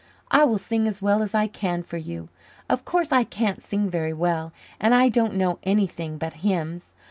"I will sing as well as I can for you. Of course, I can't sing very well and I don't know anything but hymns.